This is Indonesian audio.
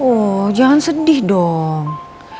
oh jangan sedih dong